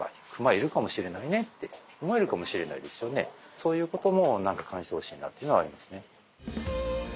そういうことも何か感じてほしいなっていうのはありますね。